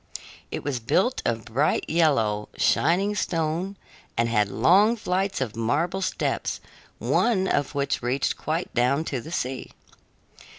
It was built of bright yellow, shining stone and had long flights of marble steps, one of which reached quite down to the sea.